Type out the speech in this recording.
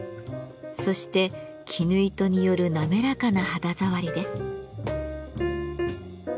そして絹糸による滑らかな肌触りです。